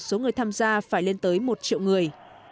số người tham gia phải lên tới một triệu người